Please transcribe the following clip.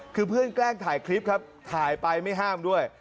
คือเพื่อนแกล้งถ่ายคลิปครับถ่ายไปไม่ห้ามด้วย